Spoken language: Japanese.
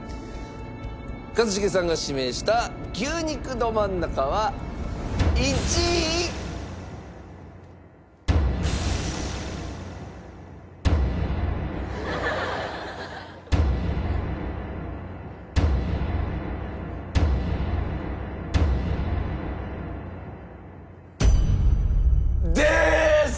一茂さんが指名した牛肉どまん中は１位。です！